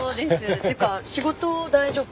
っていうか仕事大丈夫？